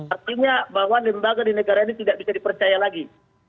artinya bahwa lembaga di negara ini tidak bisa dipercaya lagi